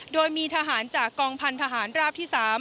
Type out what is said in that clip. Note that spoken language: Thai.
โดยมีทหารจากกองพันธหารราบที่๓